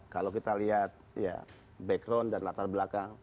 kalau kita lihat ya background dan latar belakang